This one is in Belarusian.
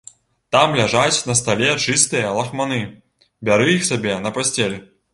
Там ляжаць на стале чыстыя лахманы, бяры іх сабе на пасцель.